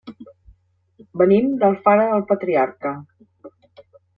Venim d'Alfara del Patriarca.